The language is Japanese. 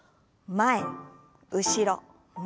前後ろ前。